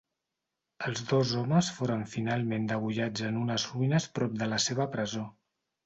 Els dos homes foren finalment degollats en unes ruïnes prop de la seva presó.